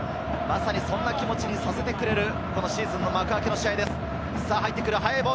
そんな気持ちにさせてくれる、シーズンの幕開けの試合です。